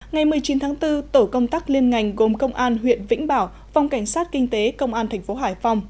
ngày một mươi chín tháng bốn tổ công tác liên ngành gồm công an huyện vĩnh bảo phòng cảnh sát kinh tế công an tp hải phòng